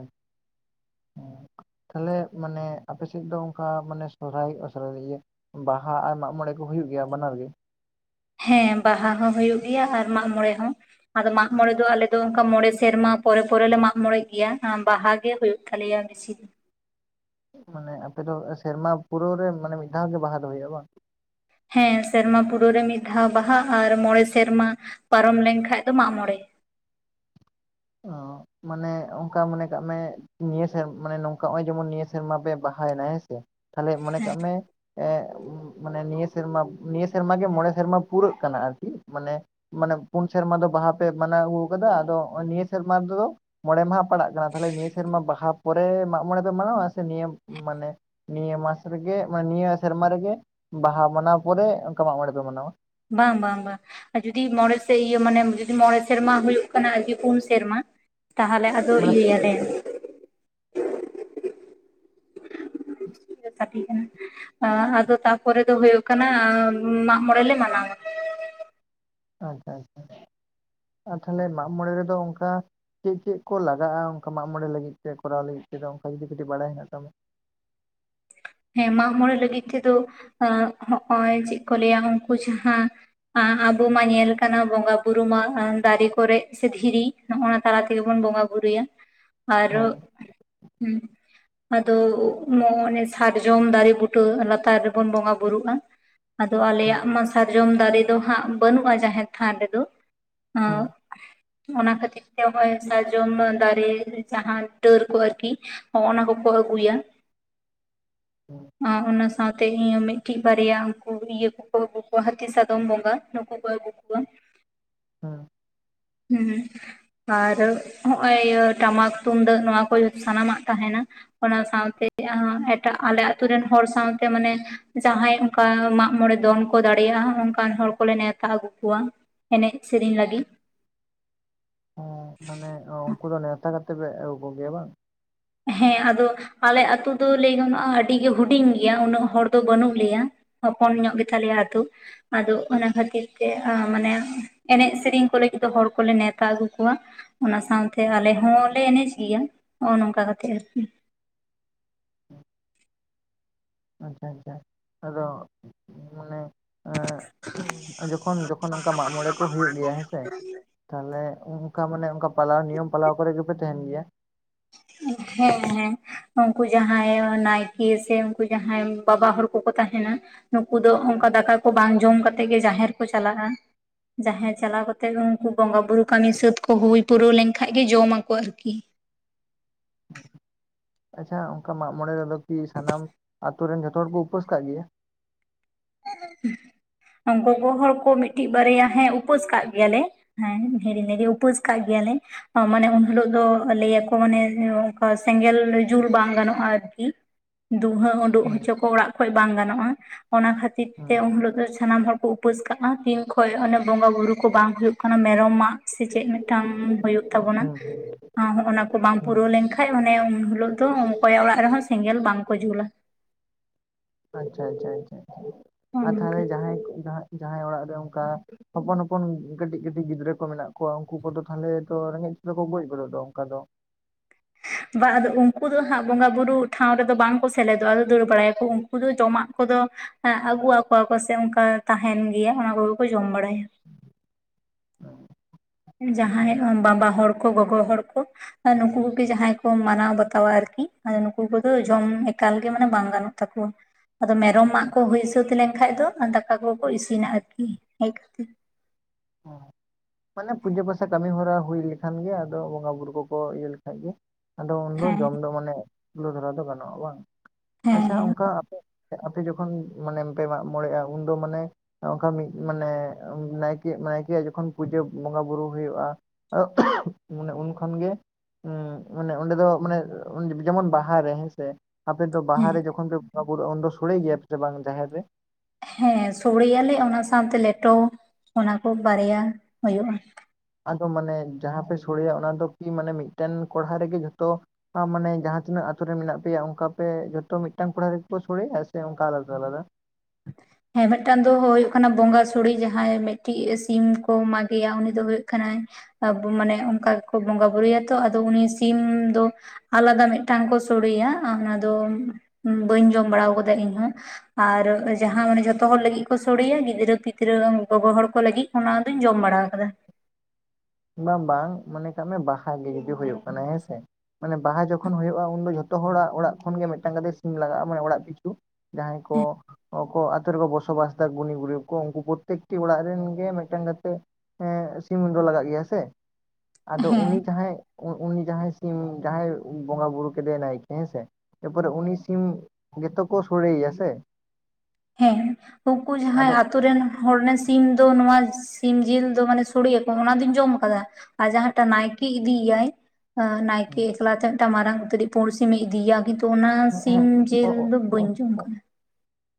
[inaudible] ᱛᱟᱞᱮ ᱢᱟᱱᱮ ᱟᱯᱮ ᱥᱮᱫ ᱫᱚ ᱚᱱᱠᱟ ᱢᱟᱱᱮ ᱥᱚᱨᱦᱟᱭ [unintelligible] ᱤᱭᱟᱹᱼᱼ ᱵᱟᱦᱟ ᱟᱨ ᱢᱟᱜ-ᱢᱚᱬᱮ ᱠᱚ ᱦᱩᱭᱩᱜ ᱜᱮᱭᱟ ᱵᱟᱱᱟᱨ ᱜᱮ? ᱦᱮᱸ ᱵᱟᱦᱟ ᱦᱚᱸ ᱦᱳᱭᱳᱜ ᱜᱮᱭᱟ ᱟᱨ ᱢᱟᱜ ᱢᱚᱸᱬᱮ ᱦᱚᱸ᱾ ᱟᱫᱚ ᱢᱟᱜ ᱢᱚᱲᱮ ᱫᱚ ᱟᱞᱮ ᱫᱚ ᱚᱱᱠᱟ ᱢᱚᱲᱮ ᱥᱮᱨᱢᱟ ᱯᱚᱨᱮ ᱯᱚᱨᱮ ᱞᱮ ᱢᱟᱜ ᱢᱚᱲᱮᱜ ᱜᱮᱭᱟ ᱵᱟᱦᱟᱜ ᱜᱮ ᱦᱩᱭᱩᱜ-ᱟ᱾ [unintelligible] ᱢᱟᱱᱮ ᱟᱯᱮᱫᱚ ᱥᱮᱨᱢᱟ ᱯᱩᱨᱟᱹᱣ ᱨᱮ ᱢᱟᱱᱮ ᱢᱤᱫ ᱫᱷᱟᱣ ᱜᱮ ᱵᱟᱦᱟ ᱫᱚ ᱦᱩᱭᱩᱜ-ᱟ ᱵᱟᱝ? ᱦᱮᱸ ᱥᱮᱨᱢᱟ ᱯᱩᱨᱟᱹᱣ ᱨᱮ ᱢᱤᱫ ᱫᱷᱟᱣ ᱵᱟᱦᱟ ᱟᱨ ᱢᱚᱬᱮ ᱥᱮᱨᱢᱟ ᱯᱟᱨᱚᱢ ᱞᱮᱱᱠᱷᱟᱡ ᱫᱚ ᱢᱟᱜ ᱢᱚᱬᱮ᱾ ᱚ [inaudible] ᱢᱟᱱᱮ ᱚᱱᱠᱟ ᱢᱚᱱᱮ ᱠᱟᱜ ᱢᱮ ᱱᱤᱭᱟᱹ ᱥᱮᱨᱢᱟ ᱢᱟᱱᱮ ᱱᱚᱝᱠᱟ ᱱᱚᱜ-ᱚᱭ ᱡᱮᱢᱚᱱ ᱱᱤᱭᱟᱹ ᱥᱮᱨᱢᱟ ᱯᱮ ᱵᱟᱦᱟᱭ ᱱᱟ ᱦᱮᱸ ᱥᱮᱼᱼ ᱛᱟᱞᱦᱮ ᱢᱚᱱᱮ ᱠᱟᱜ ᱢᱮ ᱮᱸᱼᱼ ᱢᱟᱱᱮ ᱱᱤᱭᱟᱹ ᱥᱮᱨᱢᱟ ᱱᱤᱭᱟᱹ ᱥᱮᱨᱢᱟ ᱜᱮ ᱢᱚᱸᱬᱮ ᱥᱮᱨᱢᱟ ᱯᱩᱨᱟᱹᱜ ᱠᱟᱱᱟ ᱟᱨᱠᱤ, ᱢᱟᱱᱮᱼᱼ ᱢᱟᱱᱮ ᱯᱩᱱ ᱥᱮᱨᱢᱟ ᱫᱚ ᱵᱟᱦᱟ ᱯᱮ ᱢᱟᱱᱟᱣ ᱟᱹᱜᱩᱣ ᱠᱟᱫᱟ ᱟᱫᱚ ᱱᱤᱭᱟᱹ ᱥᱮᱨᱢᱟ ᱨᱮᱫᱚᱼᱼ ᱢᱚᱬᱮ ᱢᱟᱦᱟ ᱯᱟᱲᱟᱜ ᱠᱟᱱᱟ ᱛᱟᱦᱞᱮ ᱱᱤᱭᱟᱹ ᱥᱮᱨᱢᱟ ᱵᱟᱦᱟ ᱯᱚᱨᱮ ᱢᱟᱜ ᱢᱚᱬᱮ ᱯᱮ ᱢᱟᱱᱟᱣᱟ? ᱥᱮ ᱱᱤᱭᱟᱹ ᱢᱟᱱᱮᱼᱼ ᱱᱤᱭᱟᱹ ᱢᱟᱥ ᱨᱮᱜᱮ ᱢᱟᱱᱮ ᱱᱤᱭᱟᱹ ᱥᱮᱨᱢᱟ ᱨᱮᱜᱮ ᱵᱟᱦᱟ ᱢᱟᱱᱟᱣ ᱯᱚᱨᱮ ᱚᱱᱠᱟ ᱢᱟᱜ ᱢᱚᱬᱮ ᱯᱮ ᱢᱟᱱᱟᱣᱟ? ᱵᱟᱝ-ᱵᱟᱝ-ᱵᱟᱝ ᱟᱨ ᱡᱩᱫᱤ ᱢᱚᱬᱮ ᱥᱮ ᱤᱭᱟᱹ ᱢᱟᱱᱮ ᱡᱩᱫᱤ ᱢᱚᱬᱮ ᱥᱮᱨᱢᱟ ᱦᱩᱭᱩᱜ ᱠᱟᱱᱟ ᱯᱩᱱ ᱥᱮᱨᱢᱟ ᱛᱟᱦᱚᱞᱮᱼᱼ ᱛᱚ ᱢᱟᱱᱮ ᱤᱭᱟᱹᱭᱟᱞᱮ ᱥᱟᱴᱤ ᱠᱟᱱᱟ ᱟᱫᱚ ᱛᱟᱯᱚᱨᱮ ᱫᱚ ᱦᱳᱭᱩᱜ ᱠᱟᱱᱟ ᱢᱟᱸᱜ ᱢᱚᱬᱮ ᱞᱮ ᱢᱟᱱᱟᱣᱟ᱾ ᱟᱪᱪᱷᱟ ᱟᱪᱪᱷᱟ ᱟᱨ ᱛᱟᱦᱚᱞᱮ ᱢᱟᱸᱜ-ᱢᱚᱸᱬᱮ ᱨᱮᱫᱚ ᱚᱱᱠᱟᱼᱼ ᱪᱮᱫ ᱪᱮᱫ ᱠᱚ ᱞᱟᱜᱟᱜ-ᱟ? ᱚᱱᱠᱟ ᱢᱟᱜ ᱢᱚᱬᱮ ᱞᱟᱹᱜᱤᱫ ᱛᱮ ᱠᱚᱨᱟᱣ ᱞᱟᱹᱜᱤᱫ ᱛᱮᱫᱚ ᱚᱱᱠᱟ ᱡᱩᱫᱤ ᱠᱟᱹᱴᱤᱡ ᱵᱟᱲᱟᱭ ᱦᱮᱱᱟᱜ ᱛᱟᱢᱟ᱾ ᱦᱮᱸ ᱢᱟᱜ ᱢᱚᱸᱬᱮ ᱞᱟᱹᱜᱤᱫ ᱛᱮᱫᱚ ᱦᱚᱸᱜ-ᱚᱭ ᱪᱮᱫ ᱠᱚ ᱞᱟᱹᱭᱟ ᱚᱱᱠᱩ ᱡᱟᱦᱟᱸᱼᱼ ᱟᱵᱚ ᱢᱟ ᱧᱮᱞ ᱠᱟᱱᱟ ᱵᱚᱸᱜᱟ ᱵᱩᱨᱩ ᱢᱟ ᱫᱟᱨᱮ ᱠᱚᱨᱮᱜ ᱥᱮ ᱫᱷᱤᱨᱤᱼᱼ ᱱᱚᱜ-ᱚ ᱱᱚᱣᱟ ᱛᱟᱞᱟ ᱛᱮᱜᱮ ᱵᱚᱱ ᱵᱚᱸᱜᱟ ᱵᱩᱨᱩᱭᱟ᱾ ᱦᱮᱸ ᱟᱨᱳᱜ ᱦᱩᱸ ᱟᱫᱚ ᱢᱚᱱᱮ ᱥᱮᱼᱼ ᱥᱟᱨᱡᱚᱢ ᱫᱟᱨᱮ ᱵᱩᱴᱟᱹ ᱞᱟᱛᱟᱨ ᱨᱮᱵᱚᱱ ᱵᱚᱸᱜᱟ ᱵᱩᱨᱩᱜ-ᱟ᱾ ᱟᱫᱚ ᱦᱮᱸ ᱟᱞᱮᱭᱟᱜ ᱢᱟ ᱥᱟᱨᱡᱚᱢ ᱫᱟᱨᱮ ᱫᱚ ᱦᱟᱸᱜ ᱵᱟᱹᱱᱩᱜ-ᱟ ᱡᱟᱦᱮᱨ ᱛᱷᱟᱱ ᱨᱮᱫᱚ᱾ ᱟᱺᱼᱼ ᱦᱮᱸ ᱚᱱᱟ ᱠᱷᱟᱹᱛᱤᱨ ᱛᱮ ᱦᱳᱭ ᱥᱟᱨᱡᱚᱢ ᱫᱟᱨᱮ ᱡᱟᱦᱟᱸ ᱰᱟᱹᱨ ᱠᱚ ᱟᱨᱠᱤᱼᱼ ᱦᱚᱸᱜ-ᱚ ᱚᱱᱟ ᱠᱚᱠᱚ ᱟᱹᱜᱩᱭᱟ᱾ ᱟᱸ ᱚᱱᱟ ᱥᱟᱸᱣᱛᱮ ᱤᱭᱟᱹ ᱢᱤᱫᱴᱤᱡ ᱵᱟᱨᱭᱟ ᱩᱱᱠᱩ ᱤᱭᱟᱹ ᱠᱚᱠᱚ ᱟᱹᱜᱩ ᱠᱚᱣᱟ ᱦᱟᱹᱛᱤ ᱥᱟᱫᱚᱢ ᱵᱚᱸᱜᱟᱼᱼ ᱩᱱᱠᱩ ᱠᱚ ᱟᱹᱜᱩ ᱠᱚᱣᱟ᱾ ᱦᱩᱸ ᱦᱩᱸ ᱟᱨ ᱦᱚᱸᱜ-ᱚᱭ ᱤᱭᱟᱹ ᱴᱟᱢᱟᱠ ᱛᱩᱢᱫᱟᱹᱜ ᱱᱚᱣᱟ ᱠᱚ ᱡᱷᱚᱛᱚ ᱥᱟᱱᱟᱢᱟᱜ ᱛᱟᱦᱮᱸᱱᱟ᱾ ᱚᱱᱟ ᱥᱟᱸᱣᱛᱮ ᱮᱴᱟᱜ ᱟᱞᱮ ᱟᱛᱳ ᱨᱮᱱ ᱦᱚᱲ ᱥᱟᱸᱣᱛᱮ ᱢᱟᱱᱮᱼᱼ ᱡᱟᱦᱟᱸᱭ ᱚᱱᱠᱟ ᱢᱟᱜ-ᱢᱚᱬᱮ ᱫᱚᱱ ᱠᱚ ᱫᱟᱲᱮᱭᱟᱜ-ᱟ ᱚᱱᱠᱟᱱ ᱦᱚᱲ ᱠᱚᱞᱮ ᱱᱮᱣᱛᱟ ᱟᱹᱜᱩ ᱠᱚᱣᱟ᱾ ᱮᱱᱮᱡ ᱥᱮᱨᱮᱧ ᱞᱟᱹᱜᱤᱫ᱾ ᱚᱸ ᱢᱟᱱᱮ ᱩᱱᱠᱩ ᱫᱚ ᱱᱮᱣᱛᱟ ᱠᱟᱛᱮᱜ ᱯᱮ ᱟᱹᱜᱩ ᱠᱚᱜᱮᱭᱟ ᱵᱟᱝ? ᱦᱮᱸ ᱟᱫᱚ ᱟᱞᱮ ᱟᱛᱩ ᱫᱚ ᱞᱟᱹᱭ ᱜᱟᱱᱚᱜ-ᱟ ᱟᱹᱰᱤ ᱜᱮ ᱦᱩᱰᱤᱧ ᱜᱮᱭᱟ ᱩᱱᱟᱹᱜ ᱦᱚᱲ ᱫᱚ ᱵᱟᱹᱱᱩᱜ ᱞᱮᱭᱟᱼᱼ ᱦᱚᱯᱚᱱ ᱧᱚᱜ ᱜᱮᱛᱟᱞᱮᱭᱟ ᱟᱛᱩ ᱟᱫᱚ ᱚᱱᱟ ᱠᱷᱟᱹᱛᱤᱨ ᱛᱮ ᱢᱟᱱᱮᱼᱼ ᱮᱱᱮᱡ ᱥᱮᱨᱤᱧ ᱠᱚ ᱞᱟᱹᱜᱤᱫ ᱫᱚ ᱦᱚᱲ ᱠᱚᱞᱮ ᱱᱮᱣᱛᱟ ᱟᱹᱜᱩ ᱠᱚᱣᱟ᱾ ᱚᱱᱟ ᱥᱟᱸᱣᱛᱮ ᱟᱞᱮ ᱦᱚᱸᱻ ᱞᱮ ᱮᱱᱮᱡᱽ ᱜᱮᱭᱟ ᱱᱚᱜ-ᱚ ᱱᱚᱝᱠᱟ ᱠᱟᱛᱮᱫ ᱟᱨᱠᱤ᱾ ᱟᱪᱪᱷᱟ-ᱟᱪᱪᱷᱟ ᱟᱫᱚ ᱢᱟᱱᱮ ᱮᱸᱼᱼ ᱡᱚᱠᱷᱚᱱ ᱡᱚᱠᱷᱚᱱ ᱚᱱᱠᱟ ᱢᱟᱜ ᱢᱚᱬᱮ ᱠᱚ ᱦᱩᱭᱩᱜ ᱜᱮᱭᱟ ᱦᱮᱸ ᱥᱮᱼᱼ ᱛᱟᱦᱚᱞᱮ ᱚᱱᱠᱟ ᱢᱟᱱᱮ ᱚᱱᱠᱟ ᱯᱟᱞᱟᱣ ᱱᱤᱭᱚᱢ ᱯᱟᱞᱟᱣ ᱠᱚ ᱨᱮ ᱜᱮ ᱯᱮ ᱛᱟᱦᱮᱱ ᱜᱮᱭᱟ ᱦᱮᱸ ᱦᱮᱸ ᱩᱱᱠᱩ ᱡᱟᱦᱟᱸᱭ ᱱᱟᱭᱠᱮ ᱥᱮ ᱩᱱᱠᱩ ᱡᱟᱦᱟᱸᱭ ᱵᱟᱵᱟ ᱦᱚᱲ ᱠᱚ ᱠᱚ ᱛᱟᱦᱮᱱᱟ᱾ ᱱᱩᱠᱩ ᱫᱚ ᱚᱱᱠᱟ ᱫᱟᱠᱟ ᱠᱚ ᱵᱟᱝ ᱡᱚᱢ ᱠᱟᱛᱮᱫ ᱜᱮ ᱡᱟᱦᱮᱨ ᱠᱚ ᱪᱟᱞᱟᱜᱼᱟ ᱡᱟᱦᱟᱸᱭ ᱪᱟᱞᱟᱣ ᱠᱟᱛᱮᱜ ᱩᱱᱠᱩ ᱵᱚᱸᱜᱟ ᱵᱩᱨᱩ ᱠᱟᱹᱢᱤ ᱥᱟᱹᱛ ᱠᱚ ᱦᱩᱭ ᱯᱩᱨᱟᱹᱣ ᱞᱮᱱ ᱠᱷᱟᱡ ᱜᱮ ᱡᱚᱢᱟ ᱠᱚ ᱟᱨᱠᱤ ᱟᱪᱪᱷᱟ ᱚᱱᱠᱟ ᱢᱟᱜ ᱢᱚᱬᱮ ᱨᱮᱫᱚ ᱠᱤ ᱥᱟᱱᱟᱢ ᱟᱛᱳ ᱨᱮᱱ ᱡᱷᱚᱛᱚ ᱦᱚᱲ ᱠᱚ ᱩᱯᱟᱹᱥ ᱠᱟᱜ ᱜᱮᱭᱟ᱾ ᱜᱚᱜᱚ ᱦᱚᱲ ᱠᱚ ᱢᱤᱫᱴᱤᱡ ᱵᱟᱨᱭᱟ ᱦᱮᱸ ᱩᱯᱟᱹᱥ ᱠᱟᱜ ᱜᱮᱭᱟ ᱞᱮ ᱦᱮᱸ ᱦᱮᱸ ᱦᱤᱲᱤᱧ ᱞᱤᱫᱟᱹᱧ ᱩᱯᱟᱹᱥ ᱠᱟᱜ ᱜᱮᱭᱟ ᱞᱮᱼᱼ ᱢᱟᱱᱮ ᱩᱱᱦᱤᱞᱳᱜ ᱫᱚ ᱞᱟᱹᱭᱟ ᱠᱚ ᱢᱟᱱᱮ ᱚᱱᱠᱟ ᱥᱮᱸᱜᱮᱞ ᱡᱩᱞ ᱵᱟᱝ ᱜᱟᱱᱚᱜᱼᱟ ᱟᱨᱠᱤ ᱫᱩᱸᱦᱟᱹ ᱩᱰᱩᱠ ᱦᱩᱸ ᱦᱚᱪᱚ ᱠᱚ ᱚᱲᱟᱜ ᱠᱷᱚᱡ ᱵᱟᱝ ᱜᱟᱱᱚᱜᱼᱟ ᱚᱱᱟ ᱠᱷᱟᱹᱛᱤᱨᱼᱼ ᱠᱷᱟᱹᱛᱤᱨ ᱛᱮ ᱦᱩᱸ ᱩᱱ ᱦᱤᱞᱚᱜ ᱫᱚ ᱥᱟᱱᱟᱢ ᱦᱚᱲ ᱠᱚ ᱩᱯᱟᱹᱥ ᱠᱟᱜᱼᱟ ᱛᱤᱱ ᱠᱷᱚᱡ ᱚᱱᱮ ᱵᱚᱸᱜᱟ ᱵᱩᱨᱩ ᱠᱚ ᱵᱟᱝ ᱦᱩᱭᱩᱜ ᱠᱟᱱᱟ ᱢᱮᱨᱚᱢ ᱢᱟᱜᱼᱼ ᱥᱮᱪᱮᱫ ᱢᱤᱫᱴᱟᱝ ᱦᱩᱭᱩᱜ ᱛᱟᱵᱚᱱᱟ ᱦᱩᱸ ᱦᱚᱸᱜ ᱚᱱᱟ ᱠᱚ ᱵᱟᱝ ᱦᱩᱸ ᱯᱩᱨᱟᱹᱣ ᱞᱮᱱ ᱠᱷᱟᱡ ᱚᱱᱮ ᱩᱱ ᱦᱤᱞᱚᱜ ᱫᱚ ᱚᱠᱚᱭᱟᱜ ᱚᱲᱟᱜ ᱨᱮ ᱦᱚᱸ ᱥᱮᱸᱜᱮᱞ ᱵᱟᱝ ᱠᱚ ᱡᱩᱞᱟ ᱟᱪᱪᱷᱟ ᱟᱪᱪᱷᱟ ᱟᱪᱷᱟ ᱱᱚᱜᱼᱚ ᱟᱨ ᱱᱚᱝᱠᱟ ᱛᱟᱦᱚᱞᱮ ᱡᱟᱦᱟᱸᱭ ᱡᱟᱦᱟᱸᱭ ᱚᱲᱟᱜ ᱨᱮ ᱚᱱᱠᱟ ᱦᱚᱯᱚᱱ ᱦᱚᱯᱚᱱ ᱠᱟᱹᱴᱤᱡ ᱠᱟᱹᱴᱤᱡ ᱜᱤᱫᱽᱨᱟᱹ ᱠᱚ ᱢᱮᱱᱟᱜ ᱠᱚᱣᱟ ᱩᱱᱠᱩ ᱠᱚ ᱫᱚ ᱛᱟᱦᱚᱞᱮ ᱛᱚ ᱨᱮᱸᱜᱮᱡ ᱛᱮ ᱫᱚ ᱠᱚ ᱜᱚᱡ ᱜᱚᱫᱚᱜ ᱫᱚ ᱚᱱᱠᱟ ᱫᱚ ᱵᱟ ᱟᱫᱚ ᱩᱱᱠᱩ ᱫᱚ ᱦᱟᱸᱜ ᱵᱚᱸᱜᱟ ᱵᱩᱨᱩ ᱴᱷᱟᱶ ᱨᱮᱫᱚ ᱵᱟᱝᱼᱼ ᱥᱮᱞᱮᱫᱚᱜᱼᱟ ᱫᱟᱹᱲ ᱵᱟᱲᱟᱭᱟ ᱠᱚ ᱩᱱᱠᱩ ᱫᱚ ᱡᱚᱢᱟᱜ ᱠᱚᱫᱚᱼᱼ ᱦᱚᱸ ᱟᱹᱜᱩ ᱟᱠᱚᱣᱟ ᱠᱚ ᱥᱮ ᱚᱱᱠᱟ ᱛᱟᱦᱮᱱ ᱜᱮᱭᱟ ᱚᱱᱟ ᱠᱚᱜᱮ ᱠᱚ ᱡᱚᱢ ᱵᱟᱲᱟᱭᱟ᱾ ᱡᱟᱦᱟᱸᱭ ᱵᱟᱵᱟ ᱦᱚᱲ ᱠᱚ ᱜᱚᱜᱚ ᱦᱚᱲ ᱠᱚᱼᱼ ᱱᱩᱠᱩ ᱠᱚ ᱜᱮ ᱡᱟᱦᱟᱸᱭ ᱠᱚ ᱢᱟᱱᱟᱣ ᱵᱟᱛᱟᱣᱟ ᱟᱨᱠᱤ ᱢᱟᱱᱮ ᱱᱩᱠᱩ ᱠᱚ ᱫᱚ ᱡᱚᱢ ᱮᱠᱟᱞᱜᱮ ᱢᱟᱱᱮ ᱵᱟᱝ ᱜᱟᱱᱚᱜ ᱛᱟᱠᱚᱭᱟ ᱟᱫᱚ ᱢᱮᱨᱚᱢ ᱢᱟᱜ ᱠᱚ ᱦᱩᱭ ᱥᱟᱹᱛ ᱞᱮᱱ ᱠᱷᱟᱡ ᱫᱚ ᱫᱟᱠᱟ ᱠᱚ ᱠᱚ ᱤᱥᱤᱱᱟ ᱟᱨᱠᱤ ᱮᱭ ᱠᱷᱟᱹᱛᱤᱨᱼᱼ [inaudible] ᱢᱟᱱᱮ ᱯᱩᱡᱟᱹ ᱯᱟᱥᱟ ᱠᱟᱹᱢᱤ ᱦᱚᱨᱟ ᱦᱩᱭ ᱞᱮᱠᱷᱟᱱ ᱜᱮ ᱟᱫᱚ ᱵᱚᱸᱜᱟ ᱵᱩᱨᱩ ᱠᱚ ᱠᱚ ᱤᱭᱟᱹ ᱞᱮᱠᱷᱟᱡ ᱜᱮᱼᱼ ᱟᱫᱚ ᱩᱱᱫᱚ ᱦᱮᱸ ᱡᱚᱢ ᱫᱚ ᱢᱟᱱᱮ ᱪᱩᱞᱦᱟᱹ ᱫᱷᱚᱨᱟᱣ ᱫᱚ ᱜᱟᱱᱚᱜᱼᱟ ᱵᱟᱝ ᱦᱮᱸ ᱟᱪᱪᱷᱟ ᱦᱮᱸ ᱚᱱᱠᱟ ᱟᱯᱮᱼᱼ ᱟᱯᱮ ᱡᱚᱠᱷᱚᱱ ᱢᱟᱱᱮ ᱯᱮ ᱢᱟᱜ ᱢᱚᱸᱬᱮᱜᱼᱟ ᱩᱱᱫᱚ ᱢᱟᱱᱮ ᱚᱱᱠᱟ ᱢᱤᱫ ᱢᱟᱱᱮ ᱱᱟᱭ ᱪᱮᱜ ᱢᱟᱱᱮ ᱪᱮᱫ ᱡᱚᱠᱷᱚᱱ ᱯᱩᱡᱟᱹ ᱵᱚᱸᱜᱟᱼᱵᱩᱨᱩ ᱦᱩᱭᱩᱜᱼᱟ ᱢᱟᱱᱮ ᱩᱱ ᱠᱷᱚᱱ ᱜᱮ ᱩᱸ ᱚᱸᱱᱮ ᱚᱸᱰᱮ ᱫᱚ ᱢᱟᱱᱮ ᱡᱮᱢᱚᱱ ᱵᱟᱦᱟᱨ ᱨᱮ ᱦᱮᱸ ᱥᱮ ᱟᱯᱮ ᱫᱚ ᱵᱟᱦᱟ ᱦᱮᱸ ᱨᱮ ᱡᱚᱠᱷᱚᱱ ᱯᱮ ᱵᱚᱸᱜᱟ ᱵᱩᱨᱩ ᱟ ᱩᱱᱫᱚ ᱥᱳᱲᱮ ᱜᱮᱭᱟᱯᱮ ᱥᱮ ᱵᱟᱝ ᱡᱟᱦᱮᱨ ᱨᱮ ᱦᱮᱸ ᱥᱳᱲᱮᱭᱟᱞᱮ ᱚᱱᱟ ᱥᱟᱶ ᱛᱮ ᱞᱮᱴᱚ ᱚᱱᱟ ᱠᱚ ᱵᱟᱨᱭᱟ ᱦᱩᱭᱩᱜᱼᱟ ᱟᱫᱚ ᱢᱟᱱᱮ ᱡᱟᱦᱟᱸ ᱯᱮ ᱥᱳᱲᱮᱭᱟ ᱚᱱᱟ ᱫᱚ ᱠᱤ ᱢᱟᱱᱮ ᱢᱤᱫᱴᱮᱱ ᱠᱚᱲᱦᱟ ᱨᱮᱜᱮ ᱡᱷᱚᱛᱚ ᱛᱟ ᱢᱟᱱᱮ ᱡᱟᱦᱟᱸ ᱛᱤᱱᱟᱹᱜ ᱟᱛᱳ ᱨᱮ ᱢᱮᱱᱟᱜ ᱯᱮᱭᱟ ᱚᱱᱠᱟ ᱯᱮ ᱡᱚᱛᱚ ᱢᱤᱫᱴᱟᱝ ᱠᱚᱲᱦᱟ ᱨᱮᱜᱮ ᱯᱮ ᱥᱳᱲᱮᱭᱟ ᱥᱮ ᱚᱱᱠᱟ ᱥᱮ ᱟᱞᱟᱫᱟ ᱟᱞᱟᱫᱟ ᱦᱮᱸ ᱢᱤᱫᱴᱟᱝ ᱫᱚ ᱦᱩᱭᱩᱜ ᱠᱟᱱᱟ ᱵᱚᱸᱜᱟ ᱥᱳᱲᱮ ᱡᱟᱦᱟᱸᱭ ᱢᱤᱫᱴᱤᱡ ᱥᱤᱢ ᱠᱚ ᱢᱟᱜᱮᱭᱟ ᱩᱱᱤ ᱫᱚᱭ ᱦᱩᱭᱩᱜ ᱠᱟᱱᱟᱭ ᱢᱟᱱᱮ ᱚᱱᱠᱟ ᱜᱮᱠᱚ ᱵᱚᱸᱜᱟ ᱵᱩᱨᱩᱭᱟ ᱛᱚ ᱟᱫᱚ ᱩᱱᱤ ᱥᱤᱢ ᱫᱚ ᱟᱞᱟᱫᱟ ᱢᱤᱫᱴᱟᱝ ᱠᱚ ᱥᱳᱲᱮᱭᱟ ᱚᱱᱟ ᱫᱚ ᱵᱟᱹᱧ ᱡᱚᱢ ᱵᱟᱲᱟᱣ ᱠᱟᱫᱟ ᱤᱧᱦᱚᱸᱼᱼ ᱟᱨ ᱡᱟᱦᱟᱸ ᱚᱱᱮ ᱡᱷᱚᱛᱚ ᱦᱚᱲ ᱞᱟᱹᱜᱤᱫ ᱠᱚ ᱥᱳᱲᱮᱭᱟ ᱜᱤᱫᱽᱨᱟᱹ ᱯᱤᱫᱽᱨᱟᱹ ᱜᱚᱜᱚ ᱦᱚᱲ ᱠᱚ ᱞᱟᱹᱜᱤᱫ ᱚᱱᱟ ᱫᱩᱧ ᱡᱚᱢ ᱵᱟᱲᱟ ᱟᱠᱟᱫᱟ ᱵᱟᱝ ᱵᱟᱝ ᱢᱚᱱᱮ ᱠᱟᱜ ᱢᱮ ᱵᱟᱦᱟ ᱜᱮ ᱡᱩᱫᱤ ᱦᱩᱭᱩᱜ ᱠᱟᱱᱟ ᱦᱮᱸᱥᱮ ᱢᱟᱱᱮ ᱵᱟᱦᱟ ᱡᱚᱠᱷᱚᱱ ᱦᱩᱭᱩᱜᱼᱟ ᱩᱱᱫᱚ ᱡᱷᱚᱛᱚ ᱦᱚᱲᱟᱜ ᱚᱲᱟᱜ ᱠᱷᱚᱱ ᱜᱮ ᱢᱤᱫᱴᱟᱝ ᱠᱟᱛᱮ ᱥᱤᱢ ᱞᱟᱜᱟᱜᱼᱟ ᱢᱟᱱᱮ ᱚᱲᱟᱜ ᱯᱤᱪᱷᱩᱼᱼ ᱡᱟᱦᱟᱸᱭ ᱠᱚ ᱠᱚ ᱠᱚ ᱟᱛᱳ ᱨᱮᱠᱚ ᱵᱚᱥᱚᱵᱟᱥᱫᱟ ᱜᱩᱱᱤ ᱜᱩᱨᱤᱡ ᱠᱚ ᱩᱱᱠᱩ ᱯᱚᱛᱛᱮᱠᱴᱤ ᱚᱲᱟᱜ ᱨᱮᱱ ᱜᱮ ᱢᱤᱫᱴᱮᱱ ᱠᱟᱛᱮᱜ ᱦᱚᱸ ᱥᱤᱢ ᱫᱚ ᱞᱟᱜᱟᱜ ᱜᱮᱭᱟ ᱥᱮ ᱟᱫᱚ ᱦᱮᱸ ᱩᱱᱤ ᱡᱟᱦᱟᱸᱭ ᱩ ᱩᱱᱤ ᱡᱟᱦᱟᱸᱭ ᱥᱤᱢ ᱡᱟᱦᱟᱸᱭ ᱵᱚᱸᱜᱟ ᱵᱩᱨᱩ ᱠᱮᱫᱮᱭᱟᱭ ᱱᱟᱭᱠᱮ ᱦᱮᱸ ᱥᱮᱼᱼ ᱮᱯᱚᱨᱮ ᱩᱱᱤ ᱥᱤᱢ ᱜᱮ ᱛᱚ ᱠᱚ ᱥᱳᱲᱮᱭᱟ ᱥᱮᱼᱼ ᱦᱮᱸ ᱩᱱᱠᱩ ᱡᱟᱦᱟᱸᱭ ᱟᱫᱚ ᱟᱹᱛᱩ ᱨᱮᱱ ᱦᱚᱲ ᱨᱮᱱ ᱥᱤᱢ ᱫᱚ ᱱᱚᱣᱟ ᱥᱤᱢ ᱡᱤᱞ ᱫᱚ ᱢᱟᱱᱮ ᱥᱳᱲᱮ ᱟᱠᱚ ᱚᱱᱟ ᱫᱩᱧ ᱡᱚᱢ ᱟᱠᱟᱫᱟ᱾ ᱟᱨ ᱡᱟᱦᱟᱸᱴᱟᱜ ᱱᱟᱭᱠᱮ ᱤᱫᱤᱭ ᱮᱭᱟᱭ᱾ ᱱᱟᱭᱠᱮ ᱮᱠᱞᱟ ᱛᱮ ᱢᱤᱫᱴᱟᱝ ᱢᱟᱨᱟᱝ ᱩᱛᱟᱹᱨᱤᱡ ᱯᱩᱲ ᱥᱤᱢ ᱮ ᱤᱫᱤᱭ ᱮᱭᱟ ᱠᱤᱱᱛᱩ ᱚᱱᱟ ᱦᱮᱸ ᱥᱤᱢᱼᱼ ᱦᱮᱸ ᱡᱤᱞ ᱫᱚ ᱵᱟᱹᱧ ᱡᱚᱢ ᱟᱠᱟᱫᱟ᱾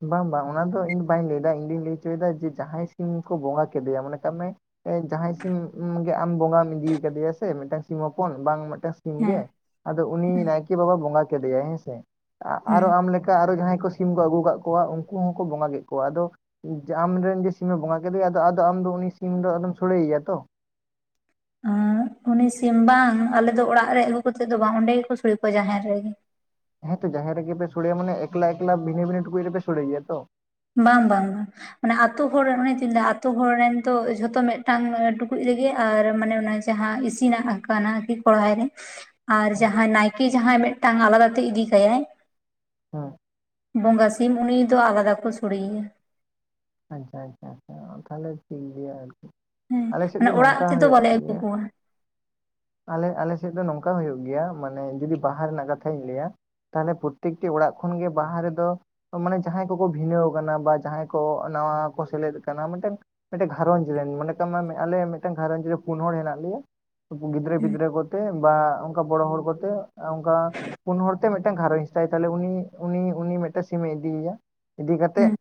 ᱵᱟᱝ ᱵᱟᱝ ᱚᱱᱟ ᱫᱚ ᱤᱧ ᱫᱚ ᱵᱟᱧ ᱞᱟᱹᱭ ᱫᱟ ᱤᱧ ᱫᱩᱧ ᱞᱟᱹᱭ ᱦᱚᱪᱚᱭᱫᱟ ᱡᱮ ᱡᱟᱦᱟᱸᱭ ᱥᱤᱢ ᱠᱚ ᱵᱚᱸᱜᱟ ᱠᱮᱫᱮᱭᱟ ᱢᱚᱱᱮ ᱠᱟᱜ ᱢᱮ ᱡᱟᱦᱟᱸᱭ ᱥᱤᱢ ᱜᱮ ᱟᱢ ᱵᱚᱸᱜᱟᱢ ᱤᱫᱤ ᱠᱟᱫᱮᱭᱟ ᱥᱮ ᱢᱤᱫᱴᱟᱝ ᱥᱤᱢ ᱦᱚᱯᱚᱱ ᱵᱟᱝ ᱢᱤᱫᱴᱟᱝ ᱥᱤᱢ ᱦᱮᱸ ᱜᱮ ᱟᱫᱚ ᱩᱱᱤ ᱱᱟᱭᱠᱮ ᱵᱟᱵᱟ ᱵᱚᱸᱜᱟ ᱠᱮᱫᱮᱭᱟᱭ ᱦᱮᱸᱥᱮ ᱦᱮᱸ ᱟᱨᱦᱚᱸ ᱟᱢ ᱞᱮᱠᱟ ᱠᱟ ᱟᱨᱦᱚᱸ ᱡᱟᱦᱟᱸᱭ ᱠᱚ ᱥᱤᱢ ᱠᱚ ᱟᱹᱜᱩ ᱠᱟᱜ ᱠᱚᱣᱟ ᱩᱱᱠᱩ ᱦᱚᱸᱠᱚ ᱵᱚᱸᱜᱟ ᱠᱮᱫ ᱠᱚᱣᱟ ᱟᱫᱚ ᱡᱮ ᱟᱢᱨᱮᱱ ᱡᱮ ᱥᱤᱢᱮ ᱵᱚᱸᱜᱟ ᱠᱮᱫᱮᱭᱟ ᱟᱫᱚ ᱟᱫᱚ ᱟᱢ ᱟᱫᱚ ᱩᱱᱤ ᱥᱤᱢ ᱫᱚ ᱟᱫᱚᱢ ᱥᱳᱲᱮᱭᱮᱭᱟ ᱛᱚ᱾ ᱦᱩᱸ ᱩᱱᱤ ᱥᱤᱢ ᱵᱟᱝ ᱟᱞᱮ ᱫᱚ ᱚᱲᱟᱜ ᱨᱮ ᱟᱹᱜᱩ ᱠᱟᱛᱮᱫ ᱫᱚ ᱵᱟᱝ ᱚᱸᱰᱮ ᱜᱮᱠᱚ ᱥᱳᱲᱮ ᱠᱚᱣᱟ ᱡᱟᱦᱮᱨ ᱨᱮᱜᱮ᱾ ᱦᱮᱸᱛᱚ ᱡᱟᱦᱮᱨ ᱨᱮᱜᱮᱯᱮ ᱥᱳᱲᱮᱭᱟ ᱢᱟᱱᱮ ᱮᱠᱞᱟ ᱮᱠᱞᱟ ᱵᱷᱤᱱᱟᱹ ᱵᱷᱤᱱᱟᱹ ᱴᱩᱠᱩᱡ ᱨᱮ ᱯᱮ ᱥᱳᱲᱮᱜᱮᱭᱟ ᱛᱚ ᱵᱟᱝ ᱵᱟᱝ ᱵᱟᱝ ᱢᱟᱱᱮ ᱟᱛᱳ ᱦᱚᱲᱨᱮᱱ ᱢᱟᱱᱮ ᱪᱮᱫᱤᱧ ᱞᱟᱹᱭᱟ ᱟᱛᱳ ᱦᱚᱲ ᱨᱮᱱ ᱛᱚ ᱡᱷᱚᱛᱚ ᱢᱤᱫᱴᱟᱝ ᱴᱩᱠᱩᱡ ᱨᱮᱜᱮ ᱟᱨ ᱢᱟᱱᱮ ᱟᱱᱟ ᱡᱟᱦᱟᱸ ᱤᱥᱤᱱᱟᱜ ᱟᱠᱟᱱᱟ ᱠᱤ ᱠᱚᱲᱦᱟᱭ ᱨᱮ ᱟᱨ ᱡᱟᱦᱟᱸᱭ ᱱᱟᱭᱠᱮ ᱡᱟᱦᱟᱸᱭ ᱢᱤᱫᱴᱟᱝ ᱟᱞᱟᱫᱟᱛᱮ ᱤᱫᱤ ᱠᱟᱭᱟᱭ ᱦᱩᱸ ᱵᱚᱸᱜᱟ ᱥᱤᱢ ᱩᱱᱤ ᱫᱚ ᱟᱞᱟᱫᱟ ᱠᱚ ᱥᱳᱲᱮᱭᱟ᱾ ᱟᱪᱪᱷᱟ ᱟᱪᱪᱷᱟ ᱟᱪᱪᱷᱟ ᱛᱟᱦᱚᱞᱮ ᱴᱷᱤᱠ ᱜᱮᱭᱟ ᱟᱨᱠᱤ ᱦᱮᱸ ᱟᱞᱮ ᱥᱮᱫ ᱢᱟᱱᱮ ᱫᱚ ᱚᱲᱟᱜ ᱱᱚᱝᱠᱟ ᱛᱮᱫᱚ ᱦᱩᱭᱩᱜ ᱵᱟᱞᱮ ᱟᱹᱜᱩ ᱜᱮᱭᱟ ᱠᱚᱣᱟ ᱟᱞᱮ ᱟᱞᱮᱥᱮᱫ ᱫᱚ ᱱᱚᱝᱠᱟ ᱦᱩᱭᱩᱜ ᱜᱮᱭᱟ ᱢᱟᱱᱮ ᱡᱩᱫᱤ ᱵᱟᱦᱟ ᱨᱮᱱᱟᱜ ᱠᱟᱛᱷᱟᱧ ᱞᱟᱹᱭ ᱟ? ᱛᱟᱦᱚᱞᱮ ᱯᱚᱛᱛᱮᱠᱴᱤ ᱚᱲᱟᱜ ᱠᱷᱚᱱ ᱜᱮ ᱵᱟᱦᱟ ᱨᱮᱫᱚ ᱢᱟᱱᱮ ᱡᱟᱦᱟᱸᱭ ᱠᱚᱠᱚ ᱵᱷᱤᱱᱟᱹᱣ ᱟᱠᱟᱱᱟ ᱵᱟ ᱡᱟᱦᱟᱸᱭ ᱠᱚ ᱱᱟᱣᱟ ᱠᱚ ᱥᱮᱞᱮᱫ ᱠᱟᱱᱟ ᱢᱤᱫᱴᱮᱱ ᱢᱤᱫᱴᱮᱱ ᱜᱷᱟᱨᱚᱸᱡᱽ ᱨᱮᱱ ᱢᱚᱱᱮ ᱠᱟᱜ ᱢᱮ ᱟᱞᱮ ᱢᱤᱫᱴᱟᱝ ᱜᱷᱟᱨᱚᱸᱡᱽ ᱨᱮ ᱛᱤᱱ ᱦᱚᱲ ᱦᱮᱱᱟᱜ ᱞᱮᱭᱟ ᱜᱤᱫᱽᱨᱟᱹ ᱦᱮᱸ ᱯᱤᱫᱽᱨᱟᱹ ᱠᱚᱛᱮ ᱵᱟ ᱚᱱᱠᱟ ᱵᱚᱲᱚ ᱦᱚᱲ ᱠᱚᱛᱮ ᱚᱱᱠᱟ ᱯᱩᱱ ᱦᱚᱲᱛᱮ ᱢᱤᱫᱴᱟᱱ ᱜᱷᱟᱨᱚᱸᱡᱽ ᱛᱟᱭ ᱛᱟᱦᱚᱞᱮ ᱩᱱᱤ ᱩᱱᱤ ᱩᱱᱤ ᱢᱤᱫᱴᱟᱱ ᱥᱤᱢᱮ ᱤᱫᱤᱮᱭᱟ ᱤᱫᱤ ᱠᱟᱛᱮᱫ ᱦᱮᱸ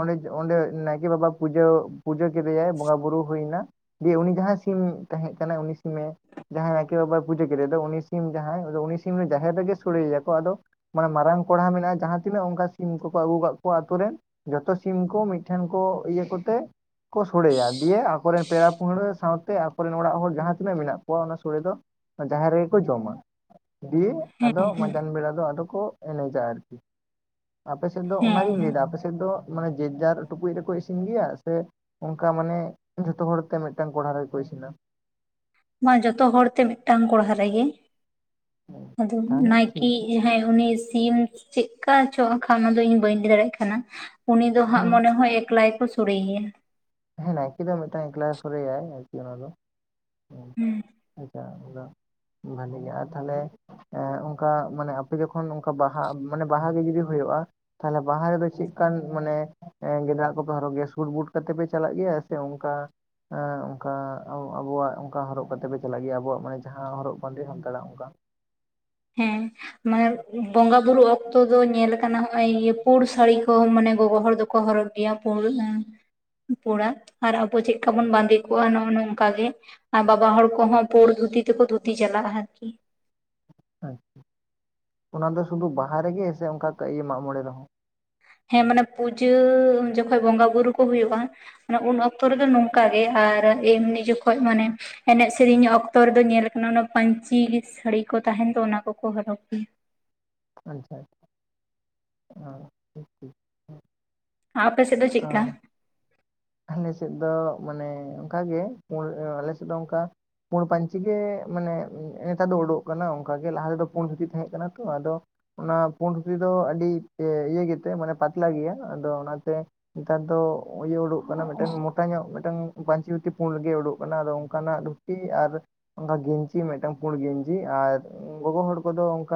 ᱚᱸᱰᱮ ᱚᱸᱰᱮ ᱱᱟᱭᱠᱮ ᱵᱟᱵᱟ ᱯᱩᱡᱟᱹ ᱯᱩᱡᱟᱹ ᱠᱮᱫᱮᱭᱟᱭ ᱵᱚᱸᱜᱟ ᱵᱩᱨᱩ ᱦᱩᱭᱱᱟ᱾ ᱫᱤᱭᱮ ᱩᱱᱤ ᱡᱟᱦᱟᱸᱭ ᱥᱤᱢ ᱛᱟᱦᱮᱸᱜ ᱠᱟᱱᱟᱭ ᱩᱱᱤ ᱥᱤᱢᱮ ᱡᱟᱦᱟᱸᱭ ᱱᱟᱭᱠᱮ ᱵᱟᱵᱟᱭ ᱯᱩᱡᱟᱹ ᱠᱮᱫᱮ ᱫᱚ ᱩᱱᱤ ᱥᱤᱢ ᱡᱟᱦᱟᱸᱭ ᱩᱱᱤ ᱥᱤᱢ ᱫᱚ ᱡᱟᱦᱮᱨ ᱨᱮᱜᱮ ᱥᱚᱲᱮᱭᱟᱠᱚ ᱟᱫᱚ ᱢᱟᱱᱮ ᱢᱟᱨᱟᱝ ᱠᱚᱲᱦᱟ ᱢᱮᱱᱟᱜ-ᱟ ᱡᱟᱦᱟᱸ ᱛᱤᱱᱟᱹᱜ ᱚᱱᱠᱟ ᱥᱤᱢ ᱠᱚᱠᱚ ᱟᱹᱜᱩ ᱠᱟᱜ ᱠᱚᱣᱟ ᱟᱛᱩ ᱨᱮ ᱡᱚᱛᱚ ᱥᱤᱢ ᱠᱚ ᱢᱤᱫᱴᱷᱮᱱ ᱠᱚ ᱤᱭᱟᱹ ᱠᱚᱛᱮ ᱠᱚ ᱥᱚᱲᱮᱭᱟ ᱫᱤᱭᱮ ᱟᱠᱚ ᱨᱮᱱ ᱯᱮᱲᱟ ᱯᱟᱹᱦᱲᱟᱹ ᱥᱟᱶᱛᱮ ᱟᱠᱚᱨᱮᱱ ᱚᱲᱟᱜ ᱦᱚᱲ ᱡᱟᱦᱟᱸ ᱛᱤᱱᱟᱹᱜ ᱢᱮᱱᱟᱜ ᱠᱚᱣᱟ ᱚᱱᱟ ᱥᱚᱲᱮ ᱫᱚ ᱡᱟᱦᱮᱨ ᱨᱮᱜᱮ ᱠᱚ ᱡᱚᱢ ᱟ ᱫᱤᱭᱮ ᱟᱫᱚ ᱢᱟᱸᱡᱟᱱ ᱵᱮᱲᱟ ᱫᱚ ᱟᱫᱚ ᱠᱚ ᱮᱱᱮᱡ ᱟ ᱟᱨᱠᱤ ᱟᱯᱮᱥᱮᱫ ᱫᱚ ᱚᱱᱟᱜᱤᱧ ᱦᱮᱸ ᱞᱟᱹᱭ ᱫᱟ ᱟᱯᱮ ᱥᱮᱫ ᱫᱚ ᱢᱟᱱᱮ ᱡᱮᱡ ᱡᱟᱨ ᱴᱩᱠᱩᱡ ᱨᱮᱠᱚ ᱤᱥᱤᱱ ᱜᱮᱭᱟ ᱥᱮ ᱚᱱᱠᱟ ᱢᱟᱱᱮ ᱡᱷᱚᱛᱚ ᱦᱚᱲᱛᱮ ᱢᱤᱫᱴᱟᱝ ᱠᱚᱲᱦᱟ ᱨᱮᱜᱮᱠᱚ ᱤᱥᱤᱱ ᱟ᱾ ᱢᱟ ᱡᱚᱛᱚ ᱦᱚᱲ ᱛᱮ ᱢᱤᱫᱴᱟᱝ ᱠᱚᱲᱦᱟ ᱨᱮᱜᱮ ᱟᱫᱚ ᱛᱟᱦᱚᱞᱮ ᱱᱟᱭᱠᱮ ᱴᱷᱤᱠ ᱡᱟᱦᱟᱸᱭ ᱩᱱᱤ ᱥᱤᱢ ᱪᱮᱫᱠᱟ ᱪᱚ ᱦᱟᱸᱜᱠᱷᱟᱱ ᱚᱱᱟ ᱫᱚ ᱤᱧ ᱵᱟᱹᱧ ᱞᱟᱹᱭ ᱫᱟᱲᱮᱭᱟᱜ ᱠᱟᱱᱟ ᱩᱱᱤ ᱫᱚ ᱦᱟᱸᱜ ᱦᱮᱸ ᱢᱚᱱᱮ ᱦᱚᱭ ᱮᱠᱞᱟ ᱜᱮᱠᱚ ᱥᱳᱲᱮᱭᱟ᱾ ᱦᱮᱸ ᱱᱟᱭᱠᱮ ᱫᱚ ᱢᱤᱫᱴᱟᱝ ᱮᱠᱞᱟ ᱜᱮ ᱥᱚᱲᱮᱭᱟᱭ ᱟᱨᱠᱤ ᱚᱱᱟ ᱫᱚ ᱦᱮᱸ ᱟᱪᱪᱷᱟ ᱚᱱᱟ ᱵᱷᱟᱹᱞᱤ ᱜᱮ ᱟᱨ ᱛᱟᱦᱚᱞᱮ ᱮᱜᱸ ᱚᱱᱠᱟ ᱢᱟᱱᱮ ᱟᱯᱮ ᱡᱚᱠᱷᱚᱱ ᱚᱱᱠᱟ ᱵᱟᱦᱟ ᱢᱟᱱᱮ ᱵᱟᱦᱟ ᱜᱮ ᱡᱩᱫᱤ ᱦᱩᱭᱩᱜ-ᱟ? ᱛᱟᱦᱚᱞᱮ ᱵᱟᱦᱟ ᱨᱮᱫᱚ ᱪᱮᱫ ᱞᱮᱠᱟᱱ ᱢᱟᱱᱮ ᱜᱮᱸᱫᱟᱜ ᱠᱚᱯᱮ ᱦᱚᱨᱚᱜ ᱜᱮᱭᱟ ᱥᱩᱴ ᱵᱩᱴ ᱠᱟᱛᱮ ᱯᱮ ᱪᱟᱞᱟᱜ ᱜᱮᱭᱟ ᱥᱮ ᱚᱱᱠᱟ ᱚᱱᱠᱟ ᱟᱵᱚᱣᱟᱜ ᱚᱱᱠᱟ ᱦᱚᱨᱚᱜ ᱠᱟᱛᱮ ᱯᱮ ᱪᱟᱞᱟᱜ ᱜᱮᱭᱟ ᱟᱵᱚᱣᱟᱜ ᱢᱟᱱᱮ ᱡᱟᱦᱟᱸ ᱦᱚᱨᱚᱜ ᱵᱟᱸᱫᱮ ᱥᱟᱱᱛᱟᱲ ᱟᱜ ᱚᱱᱠᱟ ᱦᱮᱸ ᱢᱟᱱᱮ ᱵᱚᱸᱜᱟ ᱵᱩᱨᱩ ᱚᱠᱛᱚ ᱫᱚ ᱧᱮᱞ ᱟᱠᱟᱱᱟ ᱱᱚᱸᱜ-ᱚᱭ ᱤᱭᱟᱹ ᱯᱩᱲ ᱥᱟᱹᱲᱤ ᱠᱚ ᱢᱟᱱᱮ ᱜᱚᱜᱚ ᱦᱚᱲ ᱫᱚᱠᱚ ᱦᱚᱨᱚᱜ ᱟᱨ ᱟᱵᱚ ᱪᱮᱫᱠᱟ ᱵᱚᱱ ᱵᱟᱸᱫᱮ ᱠᱚᱜ-ᱟ ᱱᱚᱜ-ᱚ ᱱᱚᱝᱠᱟ ᱜᱮ ᱟᱨ ᱵᱟᱵᱟ ᱦᱚᱲ ᱠᱚᱦᱚᱸ ᱯᱩᱸᱲ ᱫᱷᱩᱛᱤ ᱛᱮᱠᱚ ᱫᱷᱩᱛᱤ ᱪᱟᱞᱟᱜ-ᱟ ᱟᱨᱠᱤ ᱟᱪᱪᱷᱟ ᱚᱱᱟ ᱫᱚ ᱥᱩᱫᱷᱩ ᱵᱟᱦᱟ ᱨᱮᱜᱮ ᱥᱮ ᱚᱱᱠᱟ ᱢᱟᱸᱜ ᱢᱚᱸᱬᱮ ᱨᱮᱦᱚᱸ? ᱦᱮᱸ ᱢᱟᱱᱮ ᱯᱩᱡᱟᱹ ᱡᱚᱠᱷᱚᱡ ᱵᱚᱸᱜᱟ ᱵᱩᱨᱩ ᱠᱚ ᱦᱩᱭᱩᱜ-ᱟ ᱩᱱ ᱚᱠᱛᱚ ᱨᱮᱫᱚ ᱱᱚᱝᱠᱟ ᱜᱮ ᱟᱨ ᱮᱢᱱᱤ ᱡᱚᱠᱷᱚᱡ ᱢᱟᱱᱮ ᱮᱱᱮᱡ ᱥᱮᱨᱮᱧ ᱚᱠᱛᱚ ᱨᱮᱫᱚ ᱧᱮᱞ ᱠᱟᱱᱟ ᱚᱱᱟ ᱯᱟᱟᱹᱧᱪᱤ ᱥᱟᱹᱲᱤ ᱠᱚ ᱛᱟᱦᱮᱱ ᱫᱚ ᱚᱱᱟ ᱠᱚᱠᱚ ᱦᱚᱨᱚᱜ ᱜᱮᱭᱟ᱾ ᱟᱪᱪᱷᱟ ᱟᱪᱪᱷᱟ ᱚ ᱴᱷᱤᱠ ᱴᱷᱤᱠ ᱟᱯᱮ ᱥᱮᱫ ᱫᱚ ᱚ ᱪᱮᱫᱠᱟ? ᱟᱞᱮ ᱥᱮᱫ ᱫᱚ, ᱢᱟᱱᱮ ᱚᱱᱠᱟᱜᱮ, ᱟᱞᱮ ᱥᱮᱫ ᱫᱚ ᱚᱱᱠᱟ ᱯᱩᱲ ᱯᱟᱹᱧᱪᱤ ᱜᱮ, ᱢᱟᱱᱮ ᱱᱮᱛᱟᱨ ᱫᱚ ᱩᱰᱩᱠᱼᱚᱜ ᱠᱟᱱᱟ ᱾ ᱚᱱᱠᱟ ᱜᱮ ᱞᱟᱦᱟ ᱛᱮᱫᱚ, ᱯᱩᱸᱰ ᱫᱷᱩᱛᱤ ᱛᱟᱦᱮᱸᱜ ᱠᱟᱱᱟ ᱛᱚ, ᱟᱫᱚ ᱚᱱᱟ ᱯᱩᱸᱰ ᱫᱷᱩᱛᱤ ᱫᱚ, ᱟᱹᱰᱤ ᱤᱭᱟᱹ ᱜᱮᱛᱮ, ᱢᱟᱱᱮ ᱯᱟᱛᱞᱟ ᱜᱮᱭᱟ, ᱟᱫᱚ ᱚᱱᱟᱛᱮ ᱱᱮᱛᱟᱨ ᱫᱚ, ᱤᱭᱟᱹ ᱩᱰᱩᱜ ᱢᱟᱱᱮ ᱢᱤᱫᱴᱟᱝ ᱢᱚᱴᱟ ᱧᱚᱜ, ᱢᱤᱫᱴᱟᱝ ᱯᱟᱹᱧᱪᱤ ᱫᱷᱩᱛᱤ ᱯᱩᱸᱰ ᱜᱮ ᱩᱰᱩᱠ ᱠᱟᱱᱟ ᱾ ᱟᱫᱚ ᱚᱱᱠᱟᱱᱟᱜ ᱫᱷᱩᱛᱤ, ᱟᱨ ᱚᱱᱟ ᱜᱮᱧᱪᱤ ᱢᱤᱫᱴᱟᱝ, ᱯᱩᱸᱲ ᱜᱮᱧᱡᱤ, ᱟᱨ ᱜᱚᱜᱚ ᱦᱚᱲ ᱠᱚᱫᱚ, ᱚᱱᱠᱟ